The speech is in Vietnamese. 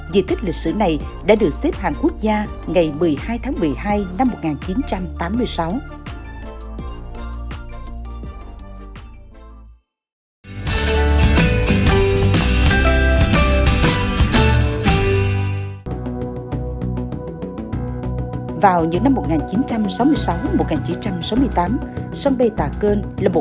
di tích lịch sử này đã được xếp hàng quốc gia ngày một mươi hai tháng một mươi hai năm một nghìn chín trăm tám mươi sáu